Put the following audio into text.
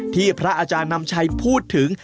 พระอาจารย์นำชัยพูดถึง